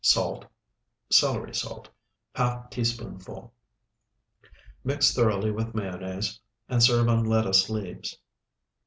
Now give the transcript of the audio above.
Salt. Celery salt, ½ teaspoonful. Mix thoroughly with mayonnaise, and serve on lettuce leaves.